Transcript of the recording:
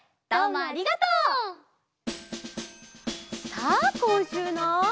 さあこんしゅうの。